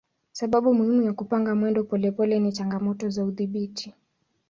Sababu muhimu ya kupanga mwendo wa polepole ni changamoto za udhibiti.